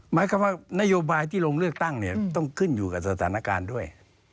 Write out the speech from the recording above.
หมายความว่านโยบายที่ลงเลือกตั้งเนี่ยต้องขึ้นอยู่กับสถานการณ์ด้วย